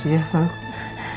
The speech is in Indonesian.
mestinya ana yang berterima kasih